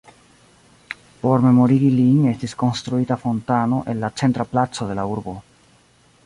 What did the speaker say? Por memorigi lin estis konstruita fontano en la centra placo de la urbo.